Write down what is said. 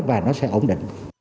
và nó sẽ ổn định